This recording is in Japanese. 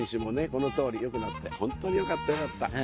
この通り良くなってホントによかったよかった。